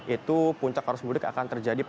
itu puncak arus mudik akan terjadi